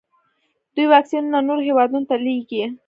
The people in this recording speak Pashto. دوی واکسینونه نورو هیوادونو ته لیږي.